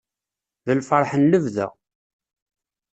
D lferḥ n lebda.